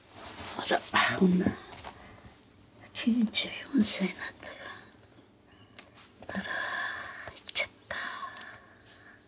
あら逝っちゃった。